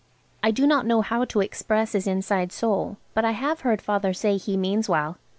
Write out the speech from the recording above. I do not know how to express his inside soul, but I have heard Father say he means well.